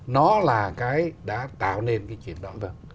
nó là cái đã tạo nên cái chuyện đó